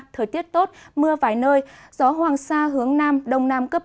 thời tiết tốt mưa vài nơi gió hoàng sa hướng nam đông nam cấp bốn